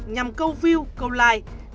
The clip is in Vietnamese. nhằm câu view câu like